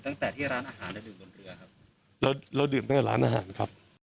อาหารเราดื่มตั้งแต่ร้านอาหารครับ